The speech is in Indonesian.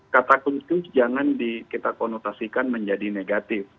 kata kunci jangan kita konotasikan menjadi negatif